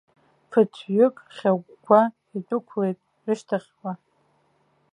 Ԥыҭҩык хьагәгәа идәықәлеит рышьҭахьҟа.